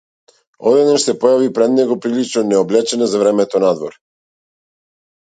Одеднаш се појави пред него прилично необлечена за времето надвор.